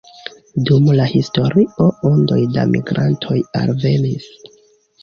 Dum la historio ondoj da migrantoj alvenis.